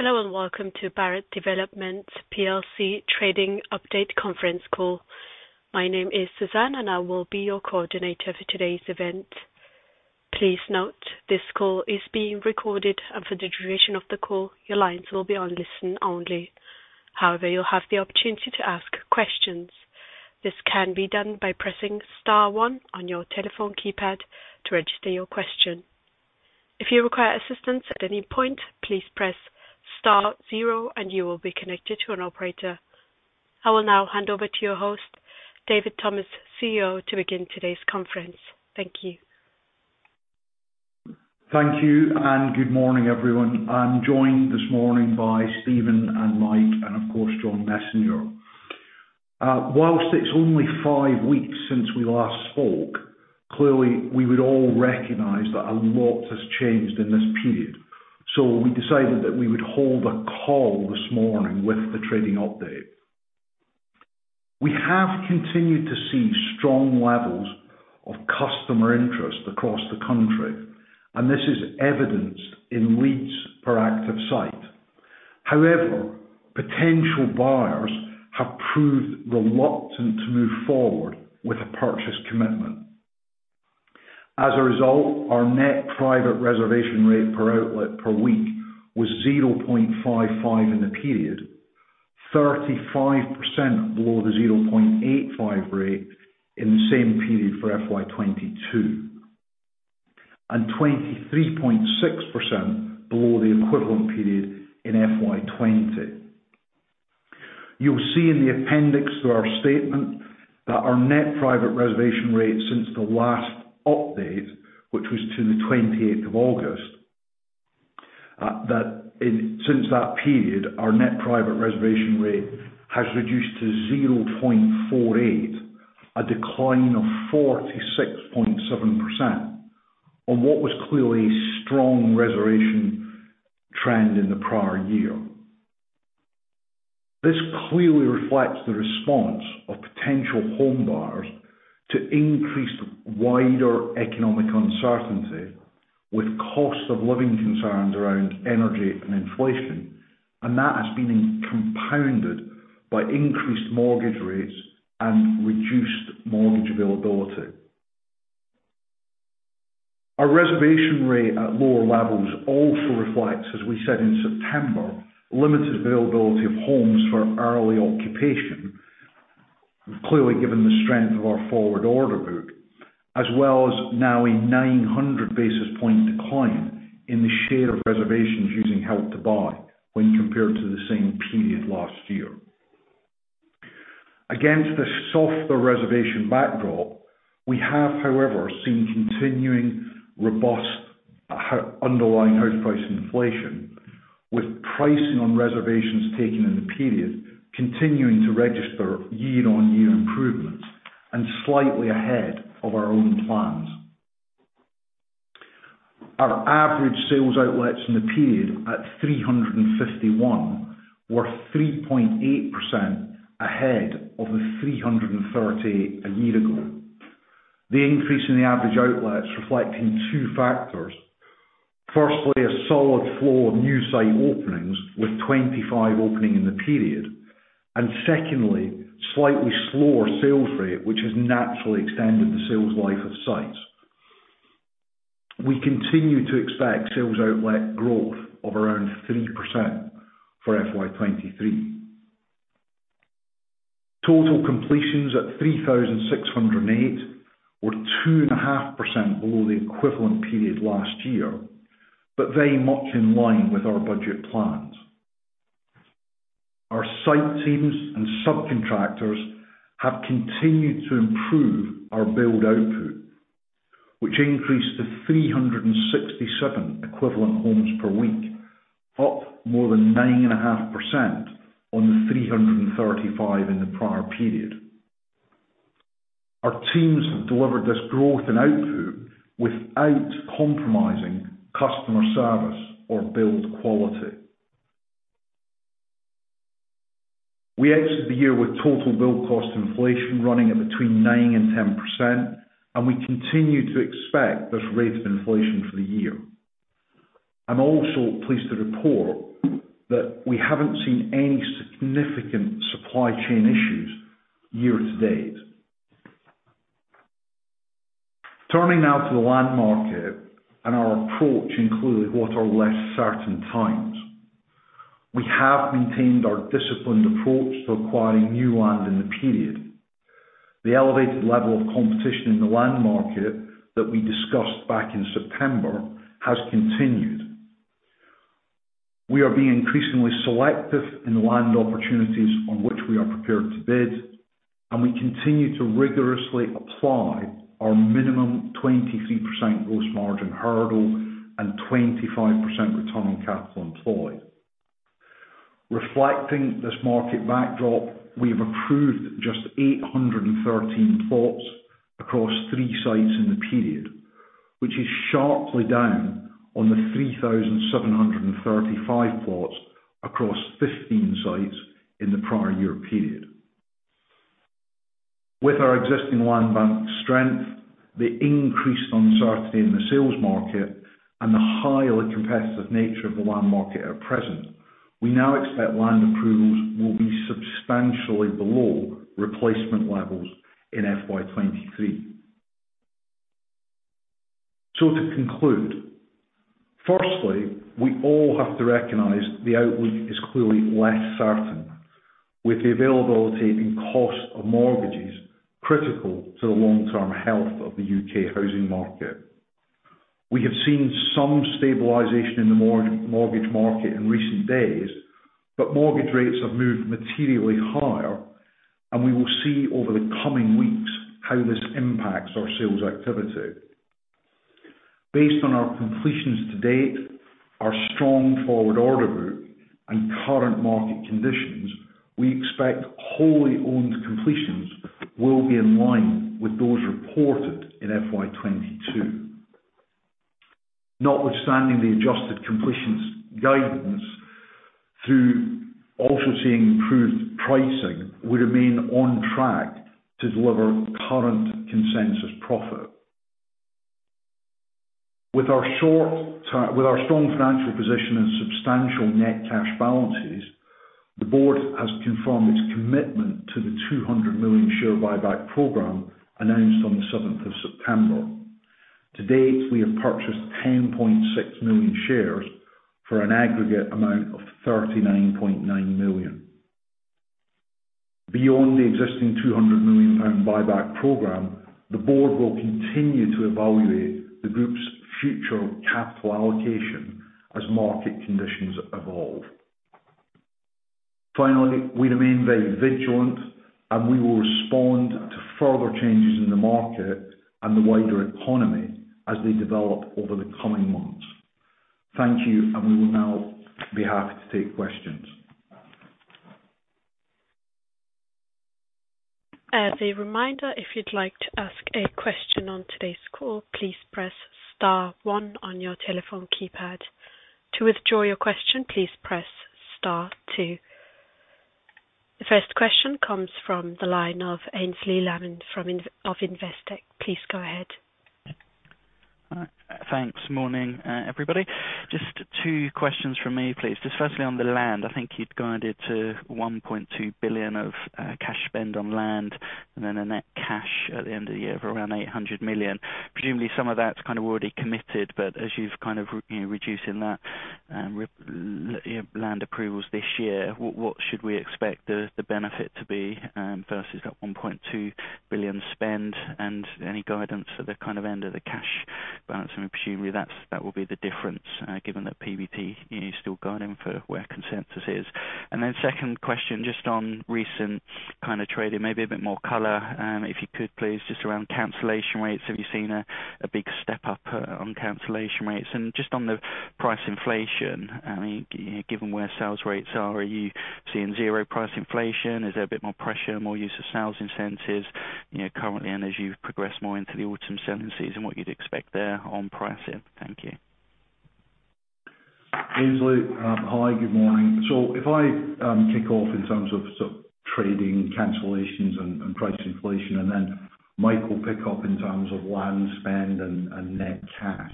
Hello, and welcome to Barratt Redrow plc trading update conference call. My name is Suzanne, and I will be your coordinator for today's event. Please note this call is being recorded, and for the duration of the call, your lines will be on listen-only. However, you'll have the opportunity to ask questions. This can be done by pressing star one on your telephone keypad to register your question. If you require assistance at any point, please press star zero and you will be connected to an operator. I will now hand over to your host, David Thomas, CEO, to begin today's conference. Thank you. Thank you, and good morning, everyone. I'm joined this morning by Stephen and Mike and, of course, John Messenger. Whilst it's only five weeks since we last spoke, clearly we would all recognize that a lot has changed in this period. We decided that we would hold a call this morning with the trading update. We have continued to see strong levels of customer interest across the country, and this is evidenced in leads per active site. However, potential buyers have proved reluctant to move forward with a purchase commitment. As a result, our net private reservation rate per outlet per week was 0.55 in the period, 35% below the 0.85 rate in the same period for FY22, and 23.6% below the equivalent period in FY20. You'll see in the appendix to our statement that our net private reservation rate since the last update, which was to the 28th of August, that since that period, our net private reservation rate has reduced to 0.48, a decline of 46.7% on what was clearly a strong reservation trend in the prior year. This clearly reflects the response of potential home buyers to increased wider economic uncertainty with cost of living concerns around energy and inflation, and that has been compounded by increased mortgage rates and reduced mortgage availability. Our reservation rate at lower levels also reflects, as we said in September, limited availability of homes for early occupation, clearly given the strength of our forward order book, as well as now a 900 basis point decline in the share of reservations using Help to Buy when compared to the same period last year. Against the softer reservation backdrop, we have, however, seen continuing robust underlying house price inflation, with pricing on reservations taken in the period continuing to register year-on-year improvements and slightly ahead of our own plans. Our average sales outlets in the period at 351 were 3.8% ahead of the 330 a year ago. The increase in the average outlets reflecting two factors. Firstly, a solid flow of new site openings with 25 opening in the period, and secondly, slightly slower sales rate, which has naturally extended the sales life of sites. We continue to expect sales outlet growth of around 3% for FY23. Total completions at 3,608 were 2.5% below the equivalent period last year, but very much in line with our budget plans. Our site teams and subcontractors have continued to improve our build output, which increased to 367 equivalent homes per week, up more than 9.5% on the 335 in the prior period. Our teams have delivered this growth in output without compromising customer service or build quality. We exit the year with total build cost inflation running at between 9% and 10%, and we continue to expect this rate of inflation for the year. I'm also pleased to report that we haven't seen any significant supply chain issues year to date. Turning now to the land market and our approach in what are less certain times. We have maintained our disciplined approach to acquiring new land in the period. The elevated level of competition in the land market that we discussed back in September has continued. We are being increasingly selective in land opportunities on which we are prepared to bid, and we continue to rigorously apply our minimum 23% gross margin hurdle and 25% return on capital employed. Reflecting this market backdrop, we've approved just 813 plots across three sites in the period, which is sharply down on the 3,735 plots across 15 sites in the prior year period. With our existing land bank strength, the increased uncertainty in the sales market and the highly competitive nature of the land market at present, we now expect land approvals will be substantially below replacement levels in FY23. To conclude, firstly, we all have to recognize the outlook is clearly less certain with the availability and cost of mortgages critical to the long term health of the U.K. housing market. We have seen some stabilization in the mortgage market in recent days, but mortgage rates have moved materially higher and we will see over the coming weeks how this impacts our sales activity. Based on our completions to date, our strong forward order book and current market conditions, we expect wholly owned completions will be in line with those reported in FY22. Notwithstanding the adjusted completions guidance through also seeing improved pricing, we remain on track to deliver current consensus profit. With our strong financial position and substantial net cash balances, the board has confirmed its commitment to the 200 million share buyback program announced on the 7th September. To date, we have purchased 10.6 million shares for an aggregate amount of 39.9 million. Beyond the existing 200 million pound buyback program, the board will continue to evaluate the group's future capital allocation as market conditions evolve. Finally, we remain very vigilant, and we will respond to further changes in the market and the wider economy as they develop over the coming months. Thank you, and we will now be happy to take questions. As a reminder, if you'd like to ask a question on today's call, please press star one on your telephone keypad. To withdraw your question, please press star two. The first question comes from the line of Aynsley Lammin of Investec. Please go ahead. Thanks. Morning, everybody. Just two questions from me, please. Just firstly on the land, I think you'd guided to 1.2 billion of cash spend on land and then a net cash at the end of the year of around 800 million. Presumably, some of that's kind of already committed, but as you've kind of, you know, reducing that land approvals this year, what should we expect the benefit to be versus that 1.2 billion spend? Any guidance at the kind of end of the cash balance? Presumably that will be the difference given that PBT, you know, is still guiding for where consensus is. Then second question, just on recent kind of trading, maybe a bit more color if you could please, just around cancellation rates. Have you seen a big step up on cancellation rates? Just on the price inflation, I mean, you know, given where sales rates are you seeing zero price inflation? Is there a bit more pressure, more use of sales incentives, you know, currently? As you progress more into the autumn selling season, what you'd expect there on pricing? Thank you. Aynsley, hi, good morning. If I kick off in terms of sort of trading cancellations and price inflation, and then Mike will pick up in terms of land spend and net cash.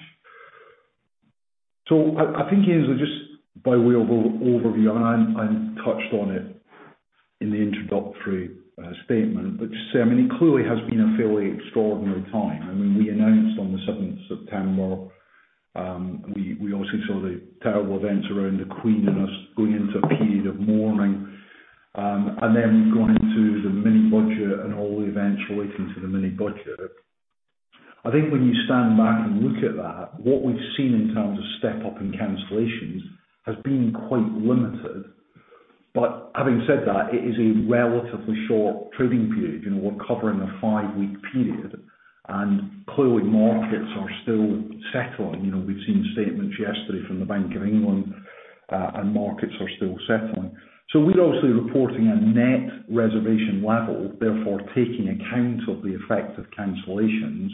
I think, Aynsley, just by way of overview, I touched on it in the introductory statement, but to say, I mean, it clearly has been a fairly extraordinary time. I mean, we announced on the 7th September, we obviously saw the terrible events around the Queen and us going into a period of mourning. Then going into the mini budget and all the events relating to the mini budget. I think when you stand back and look at that, what we've seen in terms of step up in cancellations has been quite limited. Having said that, it is a relatively short trading period. You know, we're covering a five-week period, and clearly markets are still settling. You know, we've seen statements yesterday from the Bank of England, and markets are still settling. We're also reporting a net reservation level, therefore taking account of the effect of cancellations.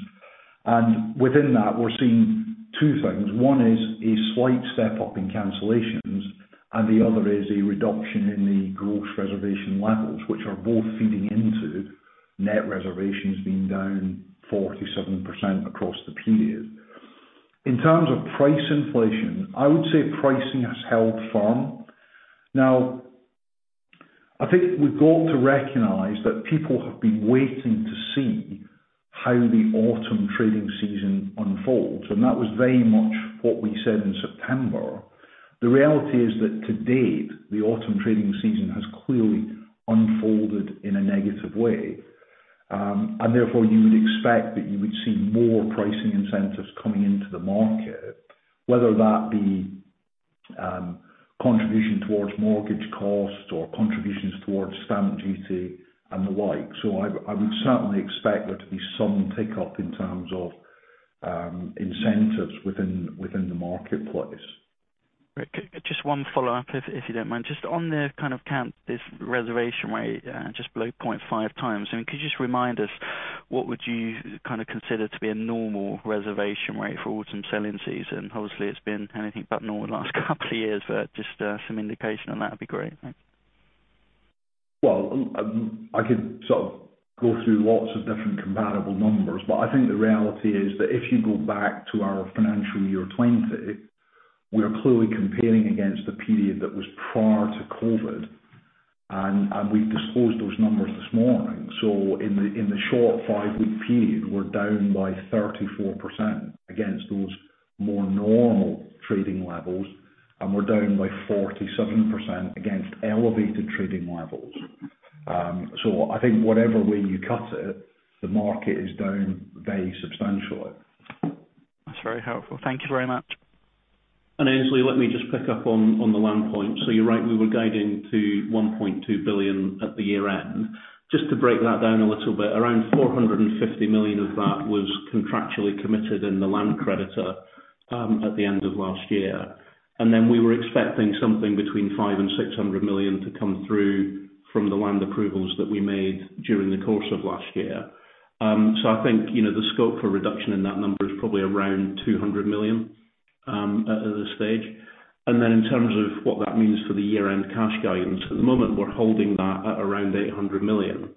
Within that, we're seeing two things. One is a slight step up in cancellations, and the other is a reduction in the gross reservation levels, which are both feeding into net reservations being down 47% across the period. In terms of price inflation, I would say pricing has held firm. Now, I think we've got to recognize that people have been waiting to see how the autumn trading season unfolds, and that was very much what we said in September. The reality is that to date, the autumn trading season has clearly unfolded in a negative way. Therefore, you would expect that you would see more pricing incentives coming into the market. Whether that be, contribution towards mortgage costs or contributions towards stamp duty and the like. I would certainly expect there to be some tick up in terms of, incentives within the marketplace. Great. Just one follow-up, if you don't mind. Just on the kind of, this reservation rate just below 0.5 times, I mean, could you just remind us. What would you kind of consider to be a normal reservation rate for autumn selling season? Obviously, it's been anything but normal the last couple of years, but just, some indication on that would be great. Thanks. Well, I could sort of go through lots of different comparable numbers, but I think the reality is that if you go back to our financial year 20, we are clearly competing against the period that was prior to COVID, and we've disclosed those numbers this morning. In the short 5-week period, we're down by 34% against those more normal trading levels, and we're down by 47% against elevated trading levels. I think whatever way you cut it, the market is down very substantially. That's very helpful. Thank you very much. Aynsley, let me just pick up on the land point. You're right, we were guiding to 1.2 billion at the year-end. Just to break that down a little bit, around 450 million of that was contractually committed in the land creditor, at the end of last year. We were expecting something between 500 million and 600 million to come through from the land approvals that we made during the course of last year. I think, you know, the scope for reduction in that number is probably around 200 million, at this stage. In terms of what that means for the year-end cash guidance, at the moment, we're holding that at around 800 million.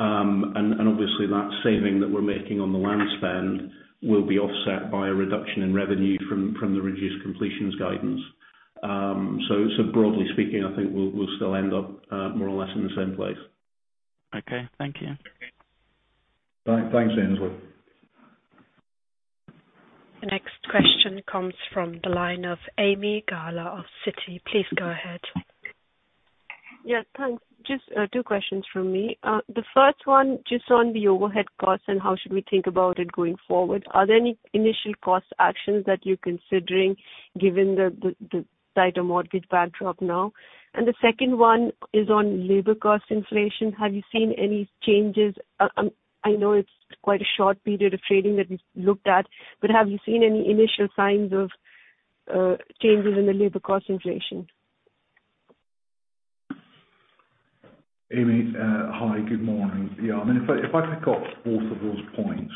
Obviously that saving that we're making on the land spend will be offset by a reduction in revenue from the reduced completions guidance. So broadly speaking, I think we'll still end up more or less in the same place. Okay. Thank you. Thanks, Aynsley. The next question comes from the line of Ami Galla of Citi. Please go ahead. Yeah, thanks. Just two questions from me. The first one, just on the overhead costs and how should we think about it going forward. Are there any initial cost actions that you're considering given the tighter mortgage backdrop now? The second one is on labor cost inflation. Have you seen any changes? I know it's quite a short period of trading that we've looked at, but have you seen any initial signs of changes in the labor cost inflation? Amy, hi, good morning. Yeah, I mean, if I pick up both of those points.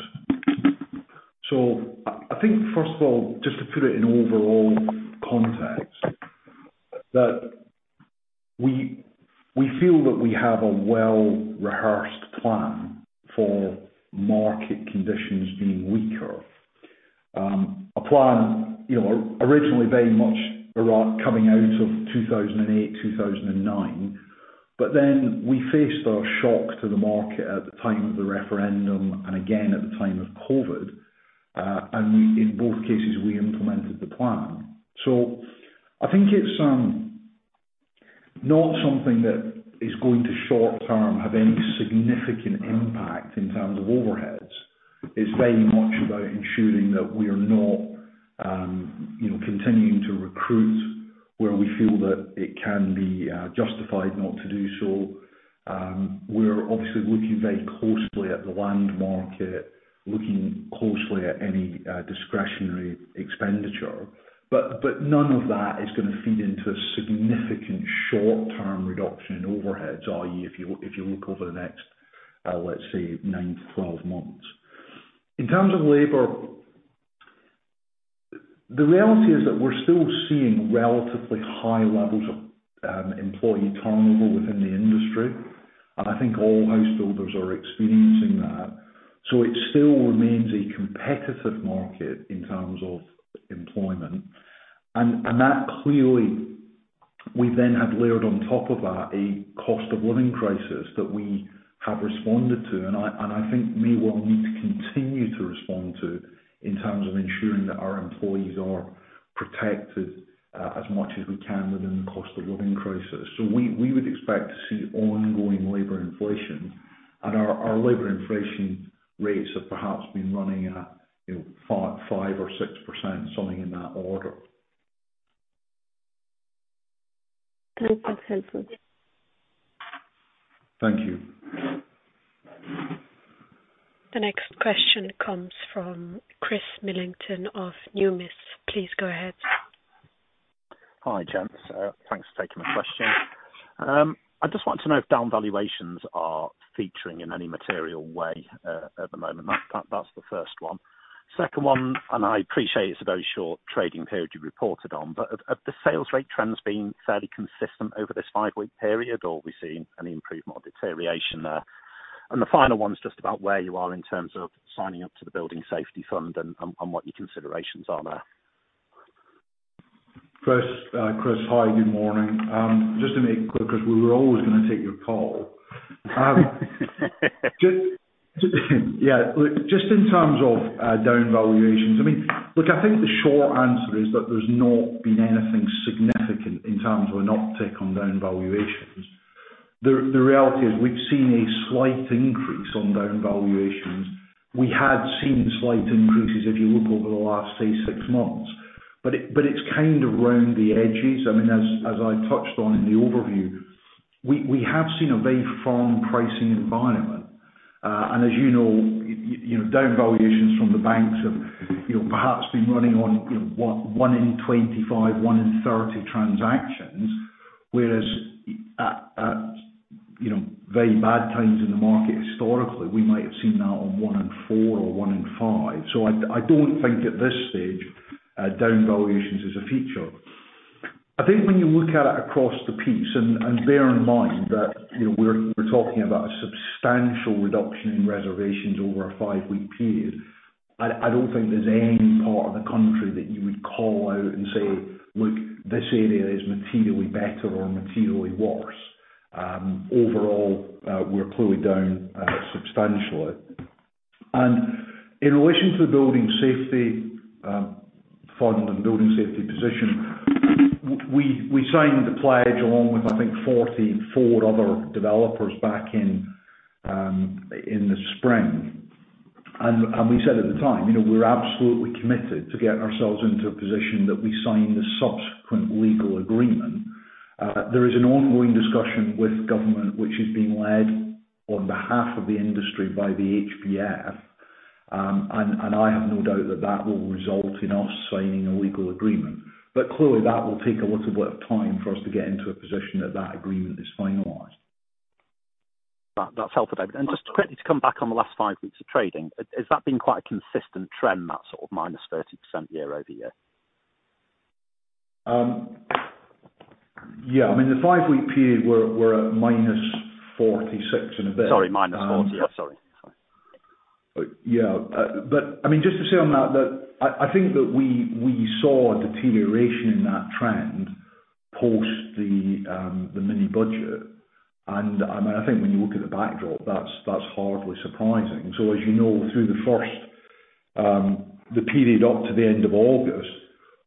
I think first of all, just to put it in overall context, that we feel that we have a well-rehearsed plan for market conditions being weaker. A plan, you know, originally very much around coming out of 2008, 2009, but then we faced a shock to the market at the time of the referendum, and again at the time of COVID, and we, in both cases, implemented the plan. I think it's not something that is going to short term have any significant impact in terms of overheads. It's very much about ensuring that we're not, you know, continuing to recruit where we feel that it can be justified not to do so. We're obviously looking very closely at the land market, looking closely at any discretionary expenditure. None of that is gonna feed into a significant short-term reduction in overheads, i.e., if you look over the next, let's say 9-12 months. In terms of labor, the reality is that we're still seeing relatively high levels of employee turnover within the industry, and I think all house builders are experiencing that. It still remains a competitive market in terms of employment. That clearly we then have layered on top of that a cost of living crisis that we have responded to, and I think we will need to continue to respond to in terms of ensuring that our employees are protected, as much as we can within the cost of living crisis. We would expect to see ongoing labor inflation, and our labor inflation rates have perhaps been running at, you know, 5%-6%, something in that order. Thanks. That's helpful. Thank you. The next question comes from Chris Millington of Numis. Please go ahead. Hi, gents. Thanks for taking the question. I just wanted to know if down valuations are featuring in any material way at the moment. That's the first one. Second one, I appreciate it's a very short trading period you reported on, but have the sales rate trends been fairly consistent over this five-week period, or are we seeing any improvement or deterioration there? The final one is just about where you are in terms of signing up to the Building Safety Fund and what your considerations are there. Chris, hi, good morning. Just to make it clear, Chris, we were always gonna take your call. Yeah, look, just in terms of down valuations, I mean, look, I think the short answer is that there's not been anything significant in terms of an uptick on down valuations. The reality is we've seen a slight increase on down valuations. We had seen slight increases if you look over the last, say, six months. It's kind of around the edges. I mean, as I touched on in the overview, we have seen a very firm pricing environment. As you know, you know, down valuations from the banks have, you know, perhaps been running on, you know, one in 25, one in 30 transactions. Whereas at, you know, very bad times in the market historically, we might have seen that on one in four or one in five. I don't think at this stage, down valuations is a feature. I think when you look at it across the piece, and bear in mind that, you know, we're talking about a substantial reduction in reservations over a five-week period, I don't think there's any part of the country that you would call out and say, "Look, this area is materially better or materially worse." Overall, we're clearly down, substantially. In relation to the Building Safety Fund and building safety position, we signed the pledge along with, I think, 44 other developers back in the spring. We said at the time, you know, we're absolutely committed to get ourselves into a position that we sign the subsequent legal agreement. There is an ongoing discussion with government, which is being led on behalf of the industry by the HBF. I have no doubt that that will result in us signing a legal agreement. Clearly that will take a little bit of time for us to get into a position that that agreement is finalized. That's helpful, David. Just quickly to come back on the last five weeks of trading, has that been quite a consistent trend, that sort of -30% year-over-year? Yeah. I mean, the five-week period we're at minus 46 and a bit. Sorry, minus 40. Yeah, sorry. Yeah. I mean, just to say on that I think that we saw a deterioration in that trend post the mini budget. I mean, I think when you look at the backdrop, that's hardly surprising. As you know, through the first, the period up to the end of August,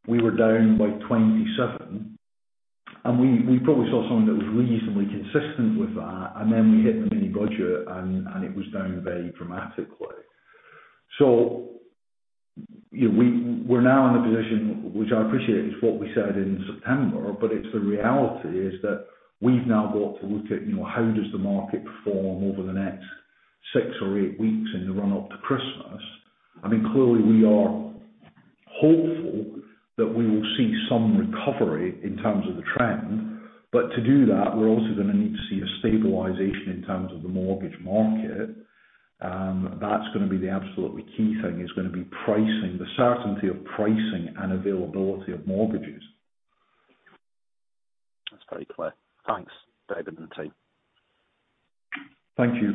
we were down by 27, and we probably saw something that was reasonably consistent with that. Then we hit the mini budget and it was down very dramatically. You know, we're now in a position, which I appreciate is what we said in September, but it's the reality, is that we've now got to look at, you know, how does the market perform over the next six or eight weeks in the run up to Christmas. I mean, clearly we are hopeful that we will see some recovery in terms of the trend. To do that, we're also gonna need to see a stabilization in terms of the mortgage market. That's gonna be the absolutely key thing, is gonna be pricing, the certainty of pricing and availability of mortgages. That's very clear. Thanks, David and the team. Thank you.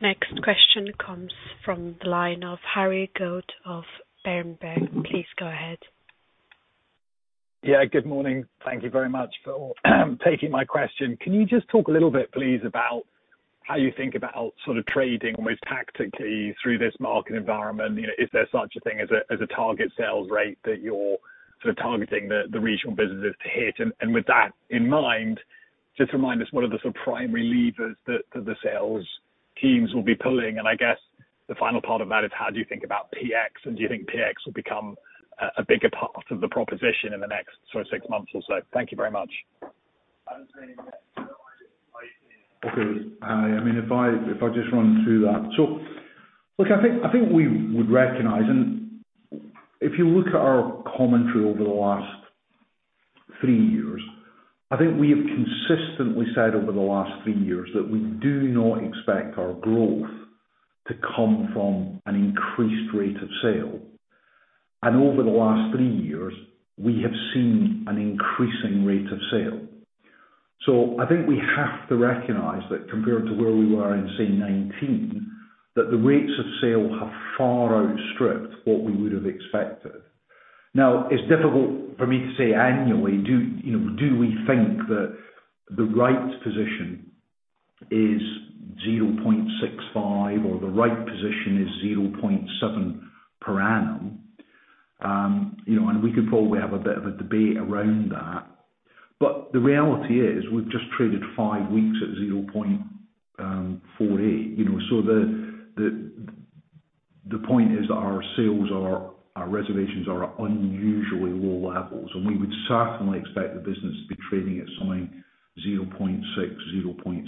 Next question comes from the line of Harry Goad of Berenberg. Please go ahead. Yeah, good morning. Thank you very much for taking my question. Can you just talk a little bit, please, about how you think about sort of trading almost tactically through this market environment? You know, is there such a thing as a target sales rate that you're sort of targeting the regional businesses to hit? With that in mind, just remind us what are the sort of primary levers that the sales teams will be pulling. I guess the final part of that is how do you think about PX, and do you think PX will become a bigger part of the proposition in the next sort of six months or so? Thank you very much. Okay. I mean, if I just run through that. Look, I think we would recognize, and if you look at our commentary over the last three years, I think we have consistently said over the last three years that we do not expect our growth to come from an increased rate of sale. Over the last three years, we have seen an increasing rate of sale. I think we have to recognize that compared to where we were in, say, 2019, that the rates of sale have far outstripped what we would have expected. Now, it's difficult for me to say annually, you know, do we think that the right position is 0.65 or the right position is 0.7 per annum? You know, and we could probably have a bit of a debate around that. The reality is, we've just traded five weeks at 0.48, you know. The point is that our sales are, our reservations are at unusually low levels, and we would certainly expect the business to be trading at something 0.6, 0.6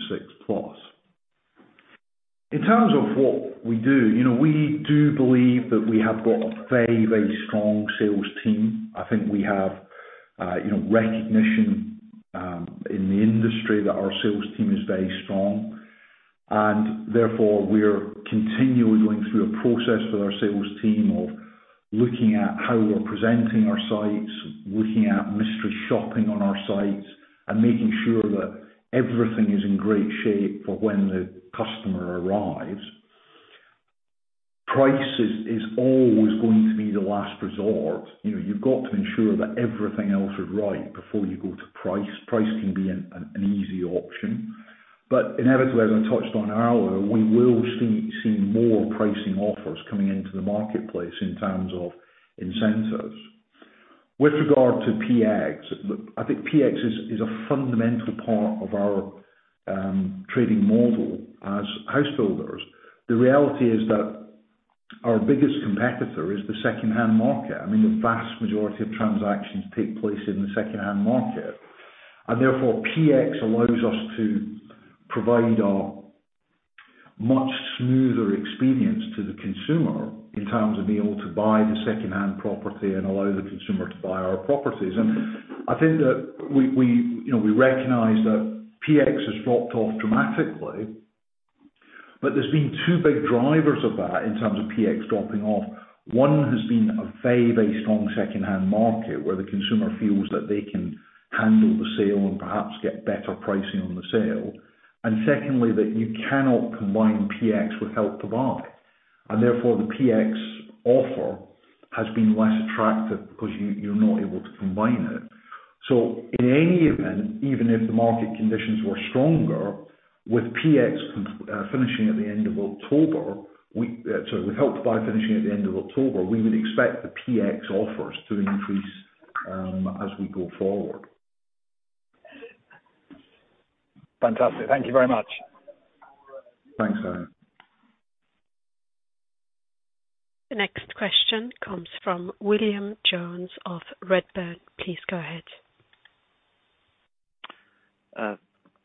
plus. In terms of what we do, you know, we do believe that we have got a very, very strong sales team. I think we have you know, recognition in the industry that our sales team is very strong, and therefore we're continually going through a process with our sales team of looking at how we're presenting our sites, looking at mystery shopping on our sites, and making sure that everything is in great shape for when the customer arrives. Price is always going to be the last resort. You know, you've got to ensure that everything else is right before you go to price. Price can be an easy option. Inevitably, as I touched on earlier, we will see more pricing offers coming into the marketplace in terms of incentives. With regard to PX, look, I think PX is a fundamental part of our trading model as house builders. The reality is that our biggest competitor is the secondhand market. I mean, the vast majority of transactions take place in the secondhand market. Therefore, PX allows us to provide a much smoother experience to the consumer in terms of being able to buy the secondhand property and allow the consumer to buy our properties. I think that we, you know, we recognize that PX has dropped off dramatically, but there's been two big drivers of that in terms of PX dropping off. One has been a very, very strong secondhand market where the consumer feels that they can handle the sale and perhaps get better pricing on the sale. Secondly, that you cannot combine PX with Help to Buy. Therefore, the PX offer has been less attractive because you're not able to combine it. In any event, even if the market conditions were stronger, with Help to Buy finishing at the end of October, we would expect the PX offers to increase, as we go forward. Fantastic. Thank you very much. Thanks, Harry. The next question comes from William Jones of Redburn. Please go ahead.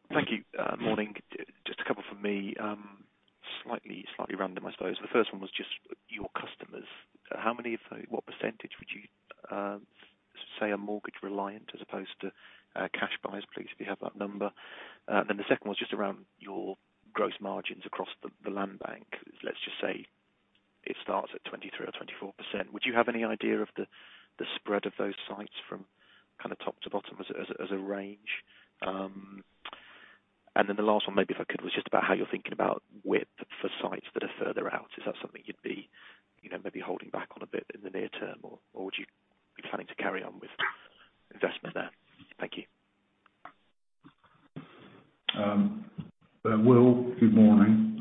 Thank you. Morning. Just a couple from me. Slightly random, I suppose. The first one was just your customers. What percentage would you say are mortgage-reliant as opposed to cash buyers, please, if you have that number. The second one was just around your gross margins across the land bank. Let's just say it starts at 23% or 24%. Would you have any idea of the spread of those sites from kinda top to bottom as a range? The last one, maybe if I could, was just about how you're thinking about width for sites that are further out. Is that something you'd be, you know, maybe holding back on a bit in the near term, or would you be planning to carry on with investment there? Thank you. Will, good morning.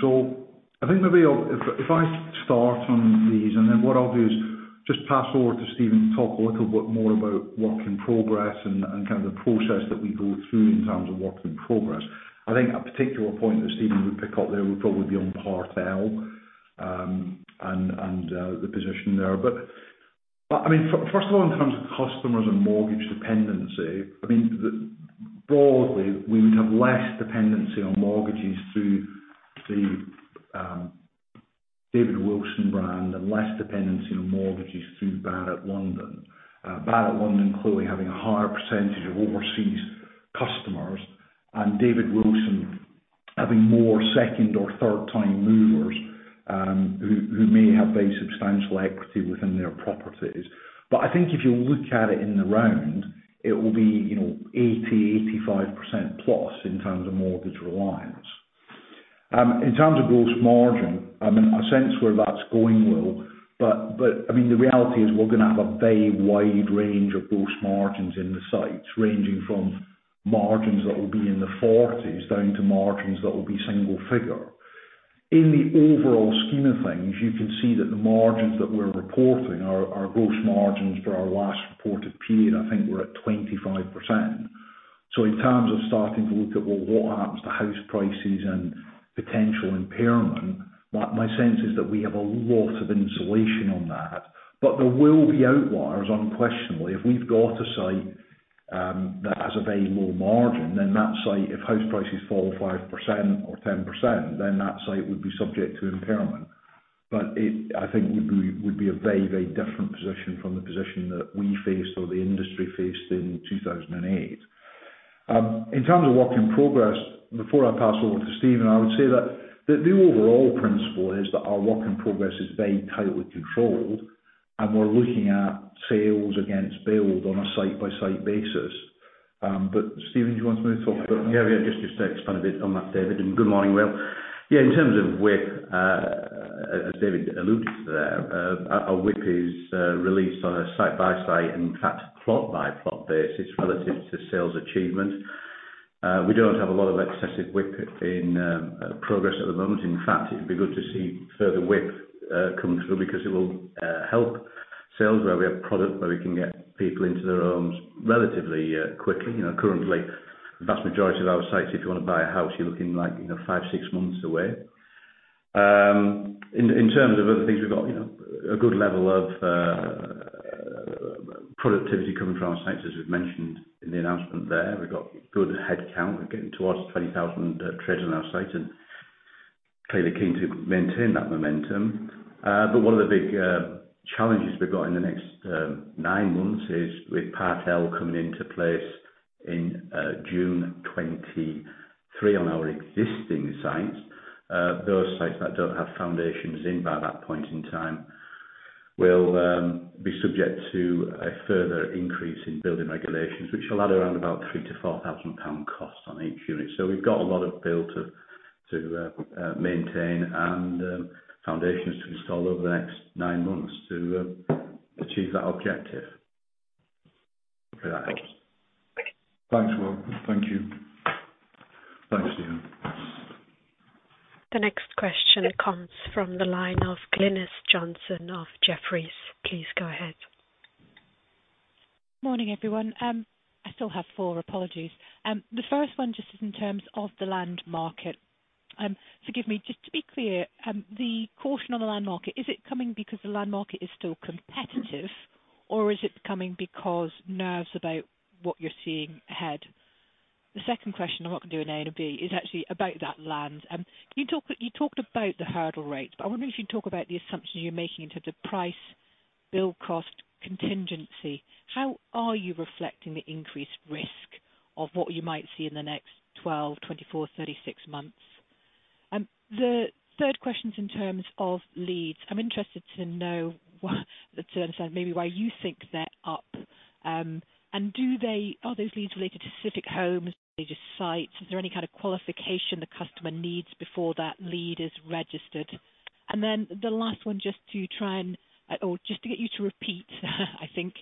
So I think maybe if I start on these, and then what I'll do is just pass over to Stephen to talk a little bit more about work in progress and kind of the process that we go through in terms of work in progress. I think a particular point that Stephen would pick up there would probably be on Part L and the position there. First of all, in terms of customers and mortgage dependency, I mean, broadly, we would have less dependency on mortgages through the David Wilson brand and less dependency on mortgages through Barratt London. Barratt London clearly having a higher percentage of overseas customers and David Wilson having more second or third time movers, who may have very substantial equity within their properties. I think if you look at it in the round, it will be, you know, 80%-85%+ in terms of mortgage reliance. In terms of gross margin, I mean, I sense where that's going, Will. I mean, the reality is we're gonna have a very wide range of gross margins in the sites, ranging from margins that will be in the 40s down to margins that will be single figure. In the overall scheme of things, you can see that the margins that we're reporting, our gross margins for our last reported period, I think we're at 25%. In terms of starting to look at, well, what happens to house prices and potential impairment, my sense is that we have a lot of insulation on that. There will be outliers, unquestionably. If we've got a site that has a very low margin, then that site, if house prices fall 5% or 10%, then that site would be subject to impairment. It, I think, would be a very, very different position from the position that we faced or the industry faced in 2008. In terms of work in progress, before I pass over to Stephen, I would say that the overall principle is that our work in progress is very tightly controlled, and we're looking at sales against build on a site-by-site basis. Stephen, do you want to maybe talk about that? Yeah, yeah, just to expand a bit on that, David. Good morning, Will. Yeah, in terms of width, as David alluded to there, our width is released on a site-by-site and in fact, plot-by-plot basis relative to sales achievement. We don't have a lot of excessive width in progress at the moment. In fact, it'd be good to see further width come through because it will help sales where we have product where we can get people into their homes relatively quickly. You know, currently, vast majority of our sites, if you wanna buy a house, you're looking, like, you know, five, six months away. In terms of other things, we've got, you know, a good level of productivity coming from our sites, as we've mentioned in the announcement there. We've got good headcount. We're getting towards 20,000 traders on our site and clearly keen to maintain that momentum. One of the big challenges we've got in the next nine months is with Part L coming into place in June 2023 on our existing sites. Those sites that don't have foundations in by that point in time will be subject to a further increase in building regulations, which will add around about 3,000-4,000 pound cost on each unit. We've got a lot of build to maintain and foundations to install over the next nine months to achieve that objective. Thank you. Thanks, Will. Thank you. Thanks, Stephen. The next question comes from the line of Glynis Johnson of Jefferies. Please go ahead. Morning, everyone. I still have four. Apologies. The first one just is in terms of the land market. Forgive me, just to be clear, the caution on the land market, is it coming because the land market is still competitive? Or is it because nerves about what you're seeing ahead? The second question, I'm not gonna do an A and a B, is actually about that land. Can you talk, you talked about the hurdle rates, but I wonder if you can talk about the assumptions you're making into the price, build cost, contingency. How are you reflecting the increased risk of what you might see in the next 12, 24, 36 months? The third question's in terms of leads. I'm interested to know so then maybe why you think they're up, and do they are those leads related to specific homes? Are they just sites? Is there any kind of qualification the customer needs before that lead is registered? The last one, just to get you to repeat, I think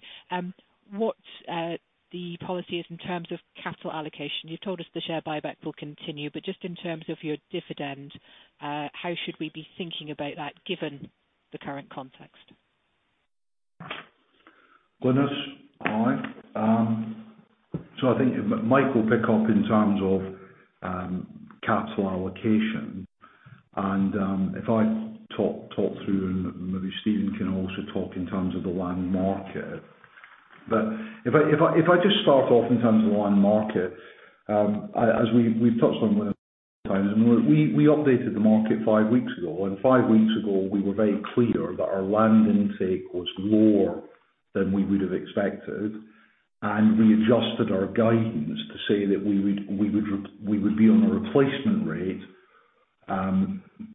what the policy is in terms of capital allocation. You've told us the share buyback will continue, but just in terms of your dividend, how should we be thinking about that given the current context? Glynis, hi. I think Mike will pick up in terms of capital allocation and if I talk through and maybe Stephen can also talk in terms of the land market. If I just start off in terms of land market, as we've touched on many times, and we updated the market five weeks ago, and five weeks ago we were very clear that our land intake was more than we would have expected, and we adjusted our guidance to say that we would be on a replacement rate,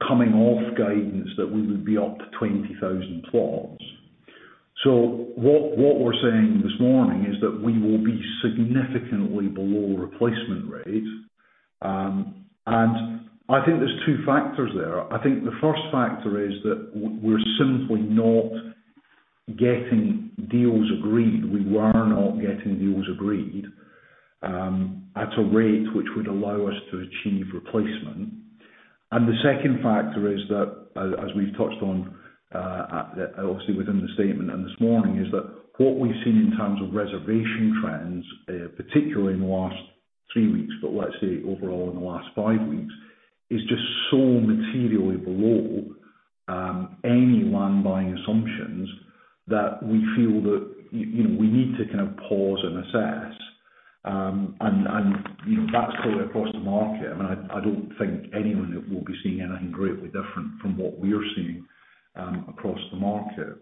coming off guidance that we would be up 20,000 plots. What we're saying this morning is that we will be significantly below replacement rate, and I think there's two factors there. I think the first factor is that we're simply not getting deals agreed. We were not getting deals agreed at a rate which would allow us to achieve replacement. The second factor is that as we've touched on, obviously within the statement and this morning, is that what we've seen in terms of reservation trends, particularly in the last three weeks, but let's say overall in the last five weeks, is just so materially below any land buying assumptions that we feel that you know we need to kind of pause and assess. And you know, that's probably across the market. I mean, I don't think anyone will be seeing anything greatly different from what we're seeing across the market.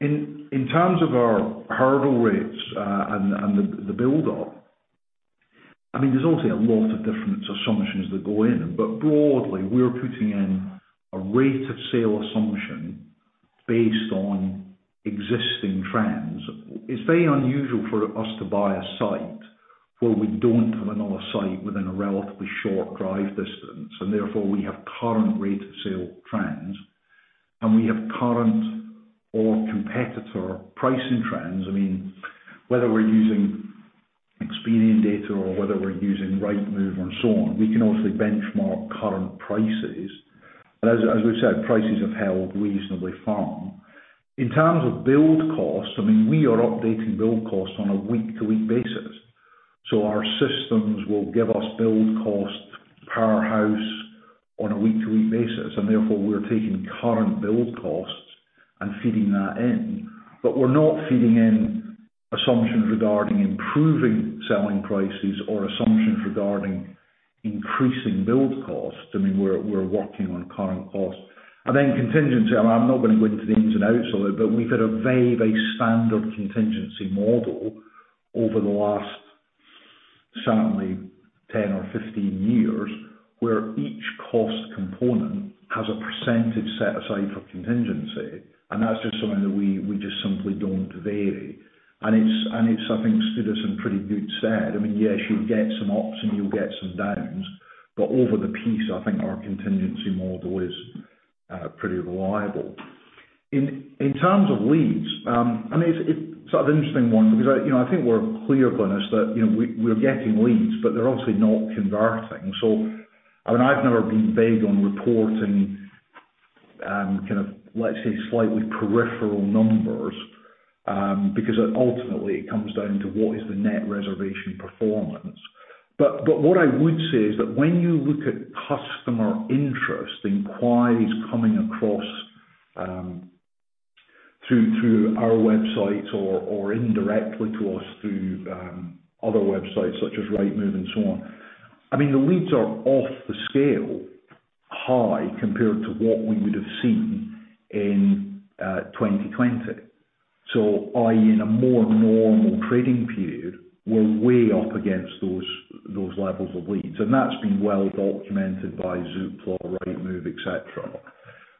In terms of our hurdle rates, and the build-up, I mean, there's obviously a lot of different assumptions that go in, but broadly, we're putting in a rate of sale assumption based on existing trends. It's very unusual for us to buy a site where we don't have another site within a relatively short drive distance, and therefore we have current rate of sale trends, and we have current or competitor pricing trends. I mean, whether we're using Experian data or whether we're using Rightmove and so on, we can obviously benchmark current prices. As we've said, prices have held reasonably firm. In terms of build cost, I mean, we are updating build cost on a week-to-week basis. Our systems will give us build cost per house on a week-to-week basis, and therefore we're taking current build costs and feeding that in. We're not feeding in assumptions regarding improving selling prices or assumptions regarding increasing build cost. I mean, we're working on current cost. Then contingency, I'm not going to go into the ins and outs of it, but we've had a very, very standard contingency model over the last certainly 10 or 15 years, where each cost component has a percentage set aside for contingency, and that's just something that we just simply don't vary. It's, I think, stood us in pretty good stead. I mean, yes, you'll get some ups and you'll get some downs, but over the piece, I think our contingency model is pretty reliable. In terms of leads, I mean, it's sort of an interesting one because you know, I think we're clear, Glynis, that you know, we're getting leads, but they're obviously not converting. I mean, I've never been big on reporting kind of, let's say, slightly peripheral numbers, because ultimately it comes down to what is the net reservation performance. What I would say is that when you look at customer interest, inquiries coming across through our website or indirectly to us through other websites such as Rightmove and so on, I mean, the leads are off the scale high compared to what we would have seen in 2020. I.e., in a more normal trading period, we're way up against those levels of leads. That's been well documented by Zoopla, Rightmove, et cetera.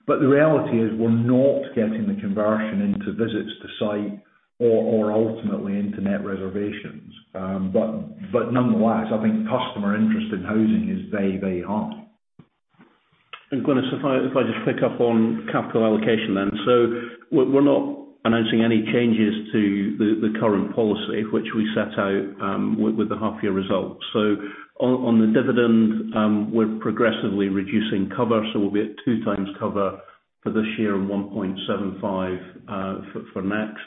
The reality is we're not getting the conversion into visits to site or ultimately into net reservations. Nonetheless, I think customer interest in housing is very, very high. Glynis, if I just pick up on capital allocation then. We're not announcing any changes to the current policy which we set out with the half year results. On the dividend, we're progressively reducing cover, so we'll be at two times cover for this year and 1.75 for next.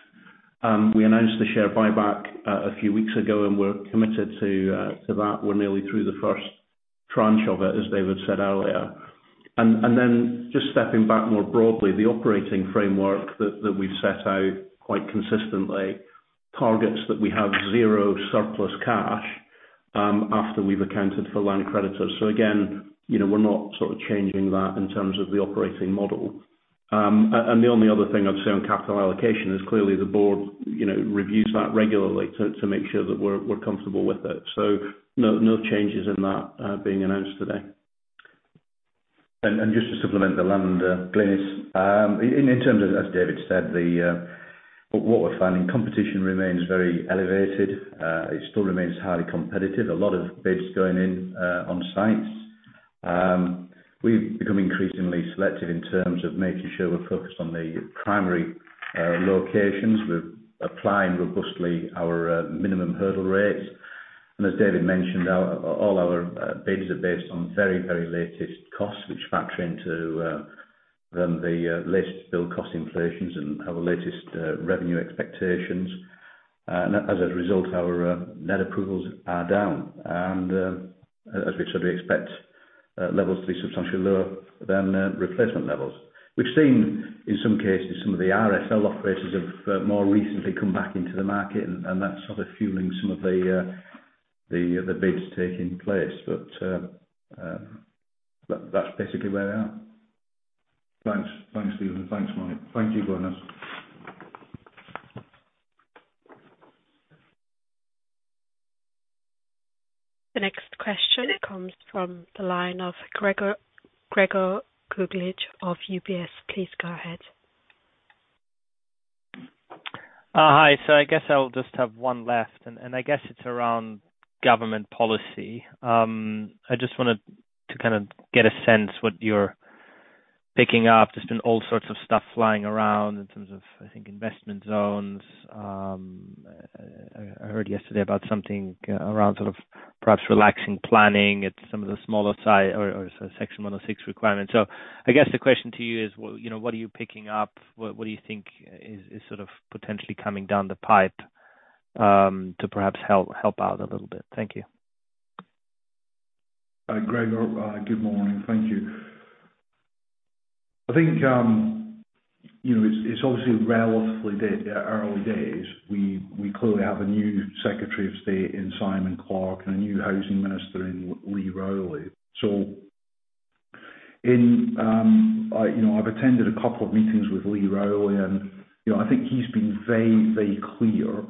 We announced the share buyback a few weeks ago, and we're committed to that. We're nearly through the first tranche of it, as David said earlier. Just stepping back more broadly, the operating framework that we've set out quite consistently targets that we have zero surplus cash after we've accounted for land credits. Again, you know, we're not sort of changing that in terms of the operating model. The only other thing I'd say on capital allocation is clearly the board, you know, reviews that regularly to make sure that we're comfortable with it. No changes in that being announced today. Just to supplement the land, Glynis. In terms of, as David said, what we're finding, competition remains very elevated. It still remains highly competitive. A lot of bids going in on sites. We've become increasingly selective in terms of making sure we're focused on the primary locations. We're applying robustly our minimum hurdle rates. As David mentioned, all our bids are based on very, very latest costs which factor into the latest build cost inflations and our latest revenue expectations. As a result, our net approvals are down. As we sort of expect, levels to be substantially lower than replacement levels. We've seen in some cases, some of the RSL operators have more recently come back into the market and that's sort of fueling some of the bids taking place. That's basically where we are. Thanks. Thanks, Stephen. Thanks, Mike. Thank you, Glynis. The next question comes from the line of Gregor Kuglitsch of UBS. Please go ahead. I guess I'll just have one last, and I guess it's around government policy. I just wanted to kind of get a sense what you're picking up. There's been all sorts of stuff flying around in terms of, I think, investment zones. I heard yesterday about something around sort of perhaps relaxing planning at some of the smaller sites or Section 106 requirements. I guess the question to you is, well, you know, what are you picking up? What do you think is sort of potentially coming down the pipe to perhaps help out a little bit? Thank you. Gregor, good morning. Thank you. I think, you know, it's obviously relatively early days. We clearly have a new Secretary of State Simon Clarke and a new housing minister Lee Rowley. I've attended a couple of meetings with Lee Rowley and, you know, I think he's been very clear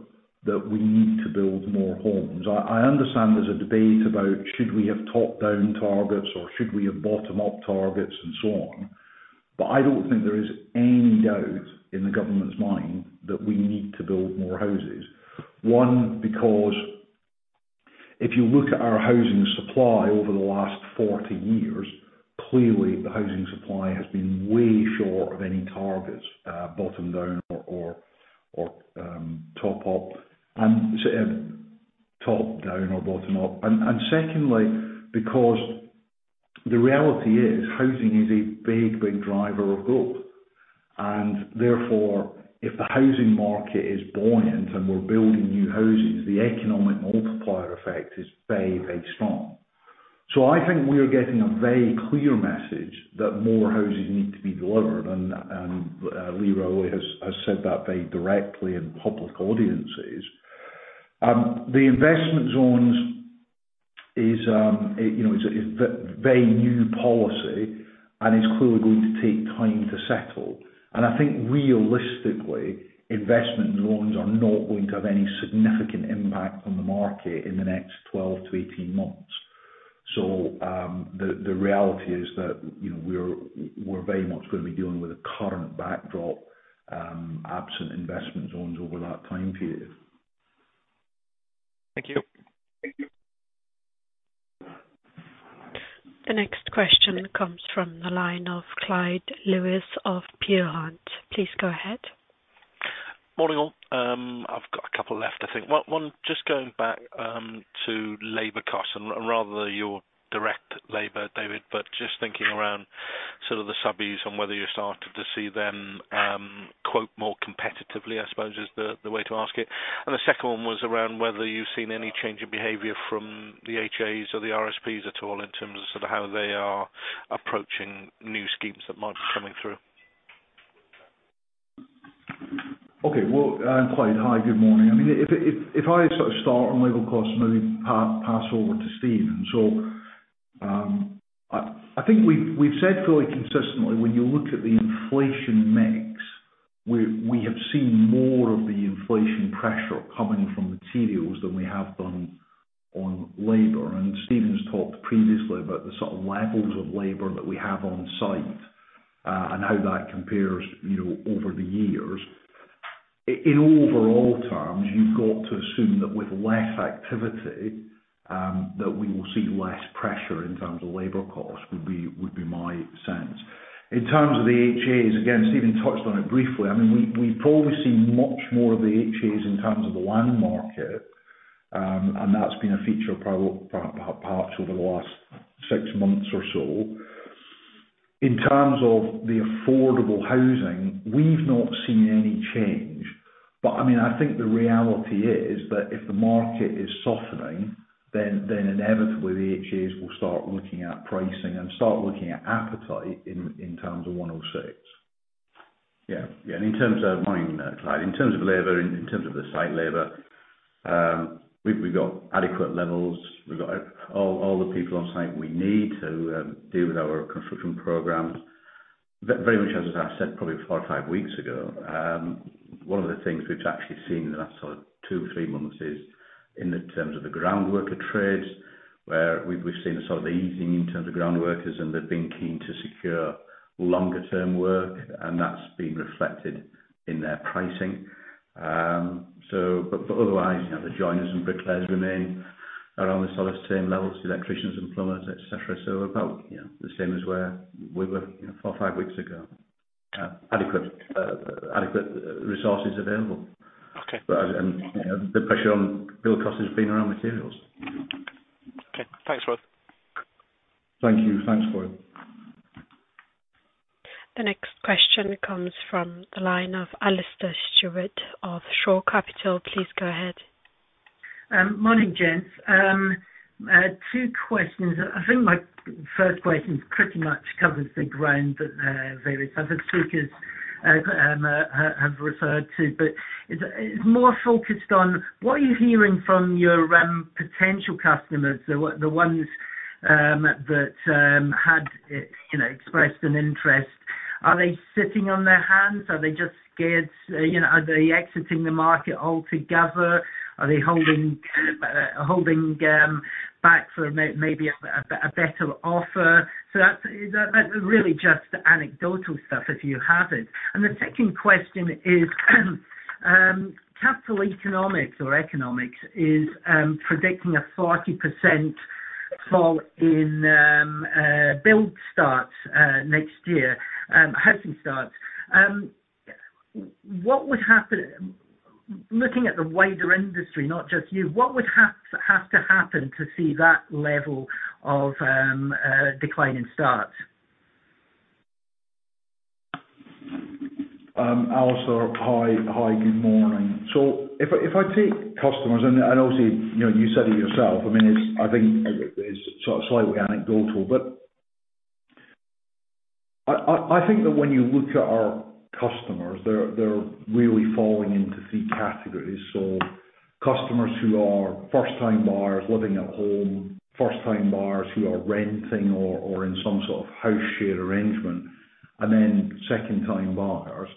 that we need to build more homes. I understand there's a debate about should we have top-down targets or should we have bottom-up targets, and so on. I don't think there is any doubt in the government's mind that we need to build more houses. One, because if you look at our housing supply over the last 40 years, clearly the housing supply has been way short of any targets, bottom-up or top-down. Secondly, because the reality is housing is a big, big driver of growth. Therefore, if the housing market is buoyant and we're building new houses, the economic multiplier effect is very, very strong. I think we are getting a very clear message that more houses need to be delivered, and Lee Rowley has said that very directly in public audiences. The investment zones is, you know, a very new policy and is clearly going to take time to settle. I think realistically, investment zones are not going to have any significant impact on the market in the next 12-18 months. The reality is that, you know, we're very much gonna be dealing with a current backdrop, absent investment zones over that time period. Thank you. Thank you. The next question comes from the line of Clyde Lewis of Peel Hunt. Please go ahead. Morning, all. I've got a couple left, I think. One just going back to labor cost and rather your direct labor, David, but just thinking around sort of the subbies and whether you're starting to see them quote more competitively, I suppose, is the way to ask it. The second one was around whether you've seen any change in behavior from the HAs or the RSLs at all in terms of sort of how they are approaching new schemes that might be coming through. Okay. Well, Clyde, hi, good morning. I mean, if I sort of start on labor costs, maybe pass over to Stephen. I think we've said fairly consistently when you look at the inflation mix, we have seen more of the inflation pressure coming from materials than we have done on labor. Stephen's talked previously about the sort of levels of labor that we have on site, and how that compares, you know, over the years. In overall terms, you've got to assume that with less activity, that we will see less pressure in terms of labor costs, would be my sense. In terms of the HAs, again, Stephen touched on it briefly. I mean, we've probably seen much more of the HAs in terms of the land market, and that's been a feature probably perhaps over the last six months or so. In terms of the affordable housing, we've not seen any change. I mean, I think the reality is that if the market is softening, then inevitably the HAs will start looking at pricing and start looking at appetite in terms of 106. Yeah. Yeah. In terms of manning, Clyde, in terms of labor, in terms of the site labor, we've got adequate levels. We've got all the people on site we need to deal with our construction programs. Very much as I said, probably four or five weeks ago, one of the things we've actually seen in the last sort of two or three months is in terms of the groundworker trades, where we've seen a sort of easing in terms of groundworkers, and they've been keen to secure longer term work, and that's been reflected in their pricing. Otherwise, you know, the joiners and bricklayers remain around the sort of same levels, electricians and plumbers, et cetera. About, you know, the same as where we were, you know, four or five weeks ago. Adequate resources available. Okay. You know, the pressure on build cost has been around materials. Okay. Thanks, Rod. Thank you. Thanks, Roy. The next question comes from the line of Alastair Stewart of Shore Capital. Please go ahead. Morning, gents. I had two questions. I think my first question pretty much covers the ground that various other speakers have referred to, but it's more focused on what are you hearing from your potential customers, the ones that had, you know, expressed an interest. Are they sitting on their hands? Are they just scared? You know, are they exiting the market altogether? Are they holding back for maybe a better offer? That's really just anecdotal stuff, if you have it. The second question is, Capital Economics is predicting a 40% fall in housing starts next year. What would happen. Looking at the wider industry, not just you, what would have to happen to see that level of decline in starts? Alastair, hi. Hi, good morning. If I take customers and obviously, you know, you said it yourself, I mean, it's, I think it's sort of slightly anecdotal, but I think that when you look at our customers, they're really falling into three categories. Customers who are first time buyers living at home, first time buyers who are renting or in some sort of house share arrangement, and then second time buyers.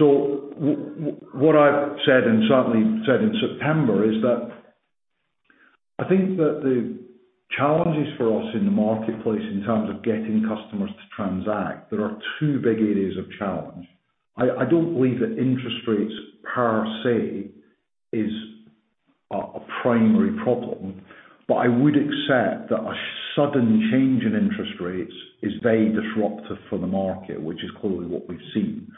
What I've said and certainly said in September is that I think that the challenges for us in the marketplace in terms of getting customers to transact, there are two big areas of challenge. I don't believe that interest rates per se is a primary problem, but I would accept that a sudden change in interest rates is very disruptive for the market, which is clearly what we've seen.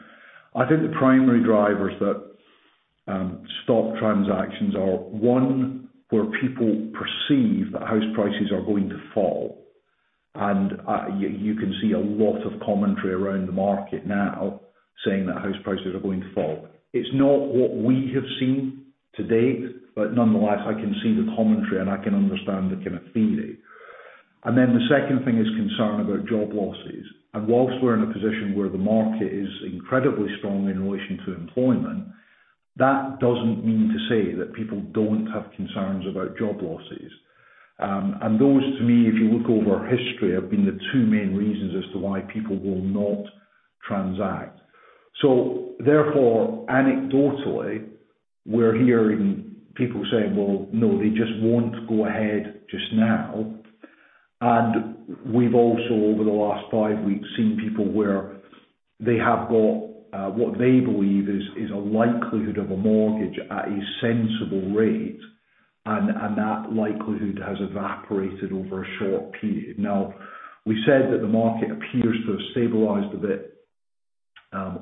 I think the primary drivers that stop transactions are, one, where people perceive that house prices are going to fall. You can see a lot of commentary around the market now saying that house prices are going to fall. It's not what we have seen to date, but nonetheless, I can see the commentary, and I can understand the kind of theory. The second thing is concern about job losses. While we're in a position where the market is incredibly strong in relation to employment, that doesn't mean to say that people don't have concerns about job losses. Those, to me, if you look over history, have been the two main reasons as to why people will not transact. Therefore, anecdotally, we're hearing people saying, well, no, they just won't go ahead just now. We've also, over the last five weeks, seen people where they have got what they believe is a likelihood of a mortgage at a sensible rate, and that likelihood has evaporated over a short period. Now, we said that the market appears to have stabilized a bit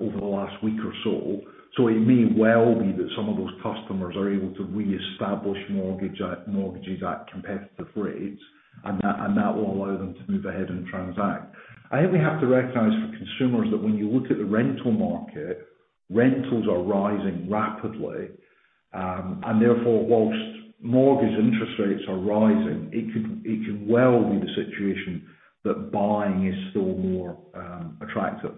over the last week or so. It may well be that some of those customers are able to reestablish mortgages at competitive rates, and that will allow them to move ahead and transact. I think we have to recognize for consumers that when you look at the rental market, rentals are rising rapidly. Therefore, while mortgage interest rates are rising, it could well be the situation that buying is still more attractive.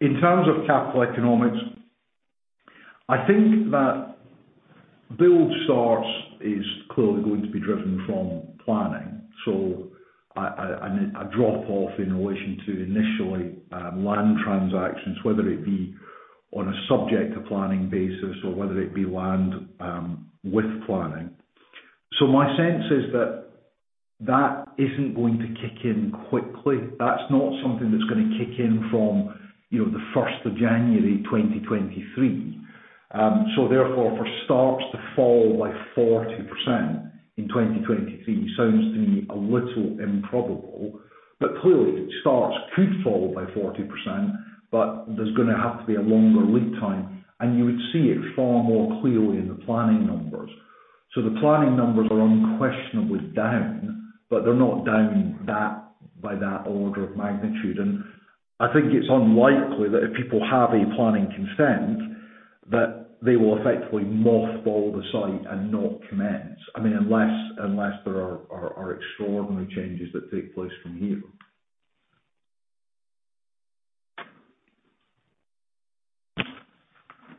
In terms of Capital Economics, I think that build starts is clearly going to be driven from planning. I mean, a drop-off in relation to initially land transactions, whether it be on a subject to planning basis or whether it be land with planning. My sense is that that isn't going to kick in quickly. That's not something that's gonna kick in from, you know, the first of January 2023. Therefore, for starts to fall by 40% in 2023 sounds to me a little improbable. Clearly starts could fall by 40%, but there's gonna have to be a longer lead time, and you would see it far more clearly in the planning numbers. The planning numbers are unquestionably down, but they're not down that, by that order of magnitude. I think it's unlikely that if people have a planning consent that they will effectively mothball the site and not commence. I mean, unless there are extraordinary changes that take place from here.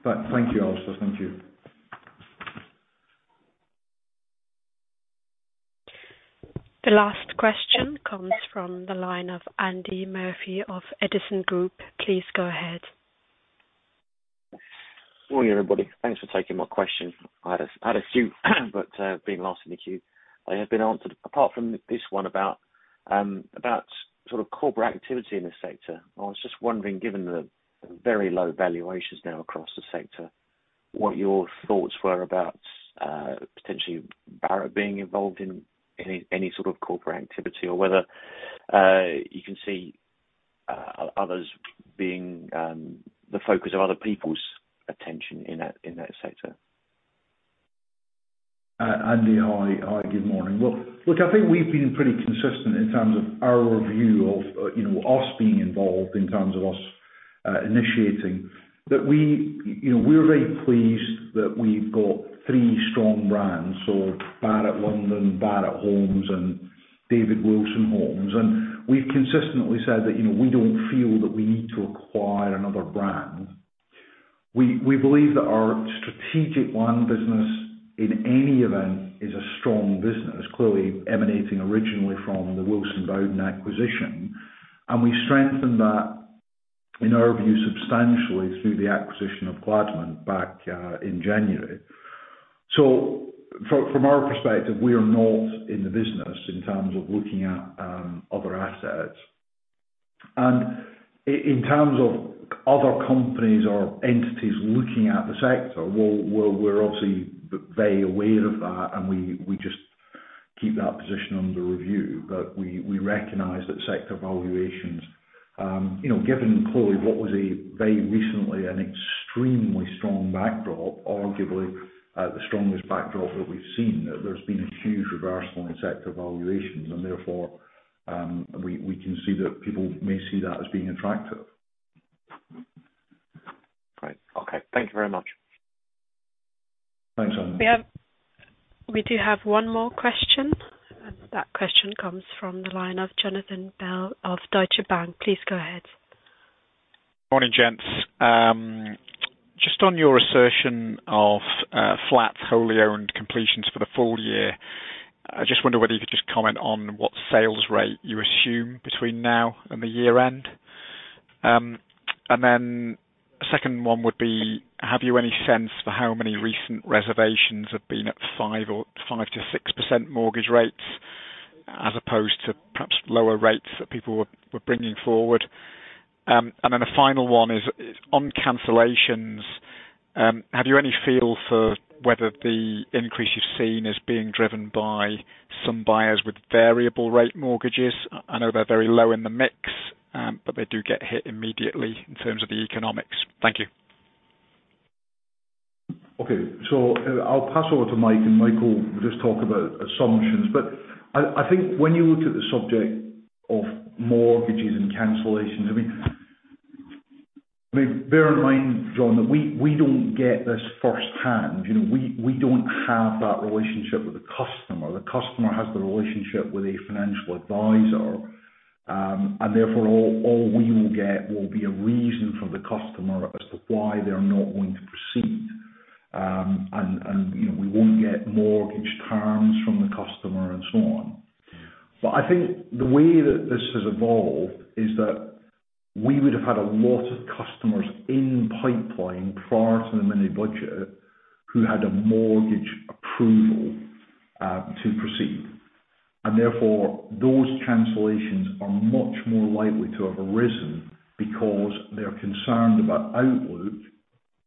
Thank you, Alastair. Thank you. The last question comes from the line of Andy Murphy of Edison Group. Please go ahead. Morning, everybody. Thanks for taking my question. I had a few but, being last in the queue, they have been answered, apart from this one about sort of corporate activity in this sector. I was just wondering, given the very low valuations now across the sector, what your thoughts were about, potentially Barratt being involved in any sort of corporate activity or whether you can see, others being the focus of other people's attention in that sector. Andy, hi. Good morning. Well, look, I think we've been pretty consistent in terms of our view of, you know, us being involved in terms of us initiating, that we, you know, we're very pleased that we've got three strong brands, so Barratt London, Barratt Homes, and David Wilson Homes. We've consistently said that, you know, we don't feel that we need to acquire another brand. We believe that our strategic one business, in any event, is a strong business, clearly emanating originally from the Wilson Bowden acquisition, and we strengthened that, in our view, substantially through the acquisition of Gladman back in January. From our perspective, we are not in the business in terms of looking at other assets. In terms of other companies or entities looking at the sector, well, we're obviously very aware of that, and we just keep that position under review. We recognize that sector valuations, you know, given clearly what was very recently an extremely strong backdrop, arguably the strongest backdrop that we've seen, there's been a huge reversal in sector valuations, and therefore, we can see that people may see that as being attractive. Great. Okay. Thank you very much. Thanks, Andy. We do have one more question. That question comes from the line of Jon Bell of Deutsche Bank. Please go ahead. Morning, gents. Just on your assertion of flats wholly owned completions for the full year, I just wonder whether you could just comment on what sales rate you assume between now and the year end. Second one would be, have you any sense for how many recent reservations have been at 5% or 5%-6% mortgage rates, as opposed to perhaps lower rates that people were bringing forward? The final one is on cancellations, have you any feel for whether the increase you've seen is being driven by some buyers with variable rate mortgages? I know they're very low in the mix, but they do get hit immediately in terms of the economics. Thank you. Okay. I'll pass over to Mike, and Mike will just talk about assumptions. I think when you look at the subject of mortgages and cancellations, I mean, bear in mind, John, that we don't get this firsthand. You know, we don't have that relationship with the customer. The customer has the relationship with a financial advisor, and therefore, all we will get will be a reason from the customer as to why they are not going to proceed. You know, we won't get mortgage terms from the customer and so on. I think the way that this has evolved is that we would have had a lot of customers in pipeline prior to the mini budget who had a mortgage approval to proceed. Therefore, those cancellations are much more likely to have arisen because they're concerned about outlook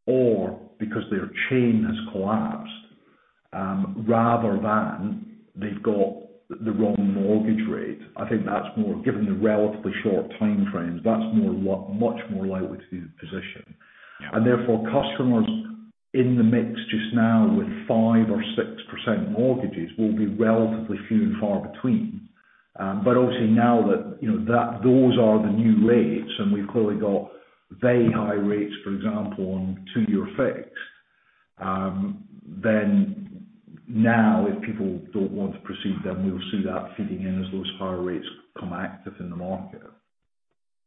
or because their chain has collapsed, rather than they've got the wrong mortgage rate. I think, given the relatively short time frames, that's much more likely to be the position. Therefore, customers in the mix just now with 5% or 6% mortgages will be relatively few and far between. Obviously now that you know those are the new rates, and we've clearly got very high rates, for example, on two-year fixed, then now if people don't want to proceed, then we'll see that feeding in as those higher rates become active in the market.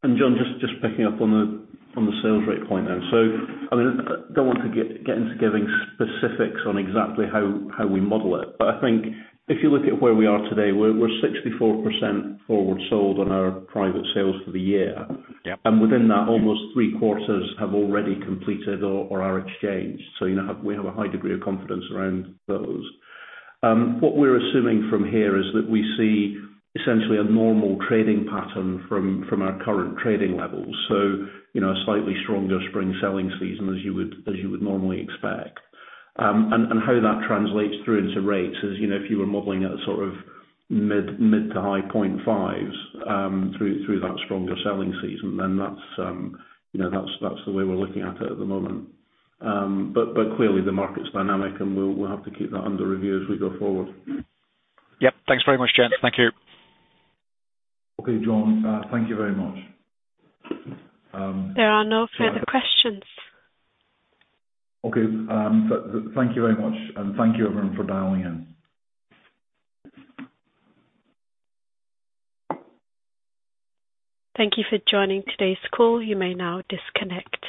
John, just picking up on the sales rate point there. I mean, don't want to get into giving specifics on exactly how we model it, but I think if you look at where we are today, we're 64% forward sold on our private sales for the year. Yep. Within that, almost three-quarters have already completed or are exchanged. You know, we have a high degree of confidence around those. What we're assuming from here is that we see essentially a normal trading pattern from our current trading levels. You know, a slightly stronger spring selling season as you would normally expect. And how that translates through into rates is, you know, if you were modeling at a sort of mid to high point fives, through that stronger selling season, then that's, you know, that's the way we're looking at it at the moment. But clearly the market's dynamic, and we'll have to keep that under review as we go forward. Yep. Thanks very much, gents. Thank you. Okay. John, thank you very much. There are no further questions. Okay. Thank you very much, and thank you everyone for dialing in. Thank you for joining today's call. You may now disconnect.